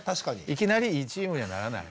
いきなりいいチームにはならない。